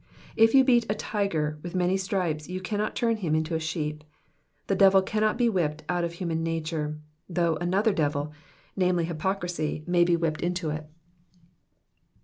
If you beat a tiger with many stripes you cannot turn him into a sheep. The devil cannot be whipped out of human nature, though another devil, namely, hypocrisy may be whipped into it.